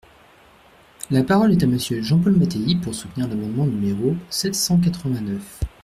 La parole est à Monsieur Jean-Paul Mattei, pour soutenir l’amendement numéro sept cent quatre-vingt-neuf.